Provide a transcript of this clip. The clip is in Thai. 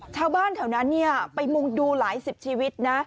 ชาวบ้านแถวนั้นไปมุงดูหลายสิบชีวิตนะ